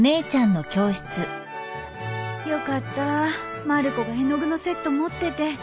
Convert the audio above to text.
よかったまる子が絵の具のセット持ってて